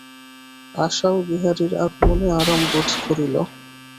আশাও বিহারীর আগমনে আরাম বোধ করিল।